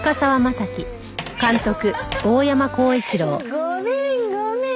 ごめんごめん。